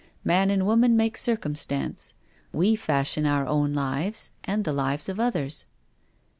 Man and woman make circum stance. We fashion our own lives and the lives of others."